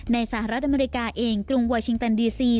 สหรัฐอเมริกาเองกรุงวาชิงตันดีซี